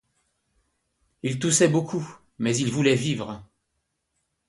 Il toussait beaucoup, mais il voulait vivre.